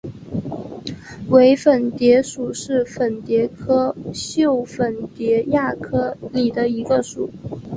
伪粉蝶属是粉蝶科袖粉蝶亚科里的一个属。